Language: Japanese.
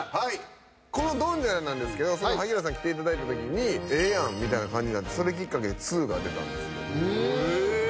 このドンジャラなんですけど萩原さん来ていただいたときにええやんみたいな感じになってそれきっかけで２が出たんですって。